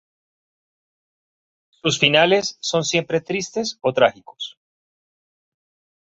Sus finales son siempre tristes o trágicos.